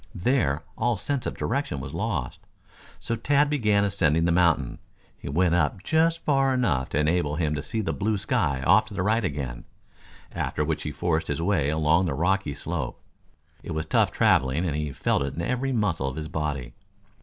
There, all sense of direction was lost. So Tad, began ascending the mountain. He went up just far enough to enable him to see the blue sky off to the right again, after which he forced his way along the rocky slope. It was tough traveling and he felt it in every muscle of his body.